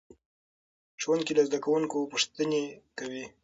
ښوونکی له زده کوونکو پوښتنې کوي.